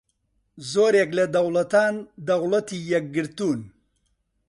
زۆرێک لە دەوڵەتان دەوڵەتی یەکگرتوون